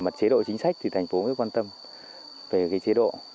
mặt chế độ chính sách thì thành phố mới quan tâm về chế độ